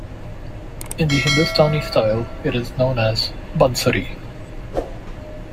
In the Hindustani style, it is known as Bansuri.